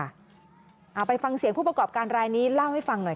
เอาไปฟังเสียงผู้ประกอบการรายนี้เล่าให้ฟังหน่อยค่ะ